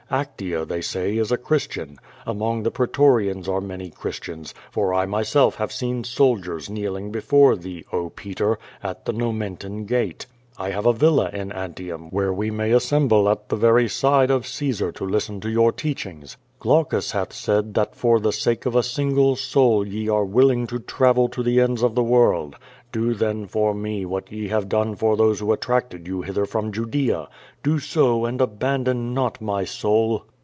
Actea, they say, is a Christian. Among the pretorians are many Chris tians, for I myself have seen soldiers kneeling before thee, oh, Peier, at the N omen tan gate. I have a villa at Antiiim, 26o QUO VADI8. wl)cre we may assemble at the very side of Caesar to listen to your teachings. Glaucus hath said that for the sake of a single soul ye are willing to travel to tlie ends of the world. Do then for me what ye have done for those who attracted you hither from Judea. Do so and abandon not my ^oul."